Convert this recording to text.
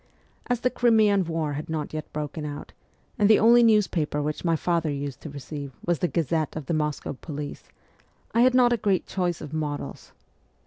As the Crimean war had not yet broken out, and the only newspaper which my father used to receive was the Gazette of the Moscow Police, I had not a great choice of models.